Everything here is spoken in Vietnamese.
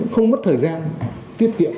không mất thời gian tiết kiệm